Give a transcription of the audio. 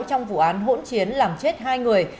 trong vụ án hỗn chiến làm chết hai người